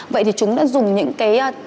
vậy thì chúng đã dùng những cái